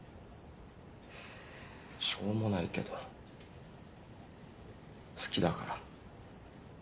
しょうもないけど好きだから。